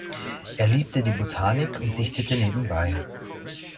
Er liebte die Botanik und dichtete nebenbei.